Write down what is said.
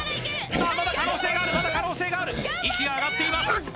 さあまだ可能性があるまだ可能性がある息が上がっています